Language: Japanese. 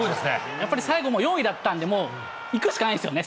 やっぱり最後４位だったんで、もういくしかないですよね。